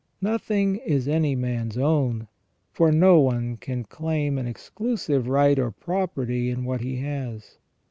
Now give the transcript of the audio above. Nothing is any man's own, for no one can claim an exclusive right or property in what he has.